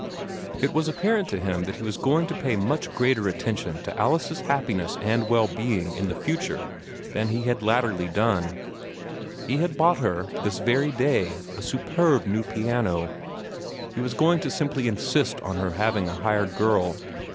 It was apparent to him that he was going to pay much greater attention to Alice's happiness and well being in the future than he had latterly done. He had bought her, this very day, a superb new piano. He was going to simply insist on her having a hired girl.